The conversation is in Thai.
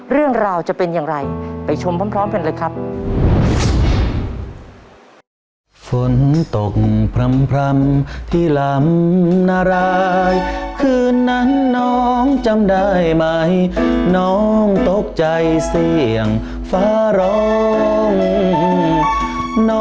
เรื่องราวจะเป็นอย่างไรไปชมพร้อมกันเลยครับ